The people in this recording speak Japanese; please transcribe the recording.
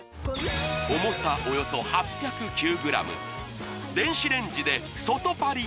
重さおよそ８０９ｇ電子レンジで外パリッ！